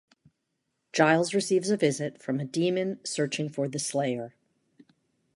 Giles receives a visit from a demon searching for the Slayer.